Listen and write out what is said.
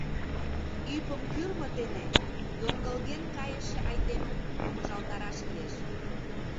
Ӱпым кӱрмӧ дене йоҥгылген кайыше айдемым помыжалтараш лиеш.